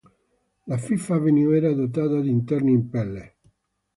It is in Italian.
La Fifth Avenue era dotata di interni in pelle.